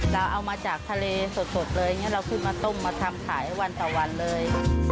เราเอามาจากทะเลสดเลยอย่างนี้เราขึ้นมาต้มมาทำขายวันต่อวันเลย